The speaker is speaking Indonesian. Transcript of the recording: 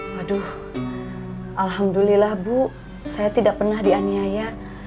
waduh alhamdulillah bu saya tidak pernah dianiaya